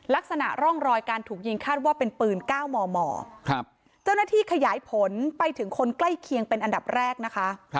ลักษณะร่องรอยการถูกยิงคาดว่าเป็นปืน๙มมเจ้าหน้าที่ขยายผลไปถึงคนใกล้เคียงเป็นอันดับแรกนะคะ